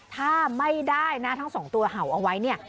ถ้าไม่ได้นะทั้งสองตัวเห่าเอาไว้เนี่ย